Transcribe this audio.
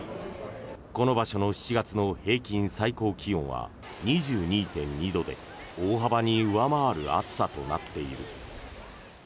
この場所の７月の平均最高気温は２２．２度で大幅に上回る暑さとなっている。